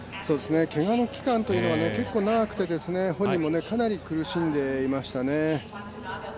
けがの期間というのが結構長くて本人も非常に苦しんでいましたね。